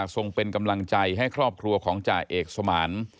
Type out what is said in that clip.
ส่งเป็นกำลังใจให้ครอบครัวของจ่าเอกสมาน